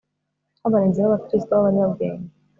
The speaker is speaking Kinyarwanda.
Nkabarinzi bAbakristo babanyabwenge